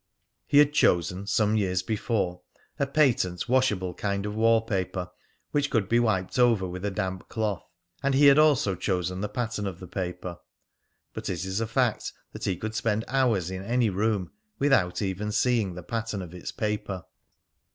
He had chosen, some years before, a patent washable kind of wall paper (which could be wiped over with a damp cloth), and he had also chosen the pattern of the paper, but it is a fact that he could spend hours in any room without even seeing the pattern of its paper.